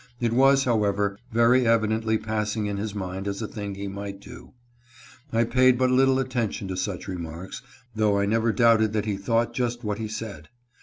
It was, however, very evidently passing in his mind as a thing he might do. I paid but little attention to such remarks, though I never 386 COL. FORBES EXPOSES BROWN. doubted that he thought just what he said.